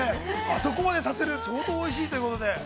あそこまでさせる相当おいしいということで。